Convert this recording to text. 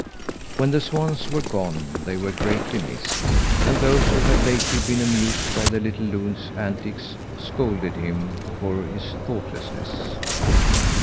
When the swans were gone they were greatly missed; and those who had lately been amused by the little loon's antics scolded him for his thoughtlessness.